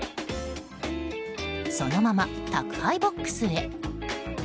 そのまま、宅配ボックスへ。